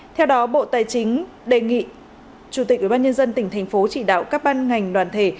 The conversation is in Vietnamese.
theo đó bộ tài chính đề nghị chủ tịch ubnd tỉnh thành phố chỉ đạo các ban ngành đoàn thể